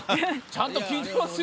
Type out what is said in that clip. ちゃんと聴いてた？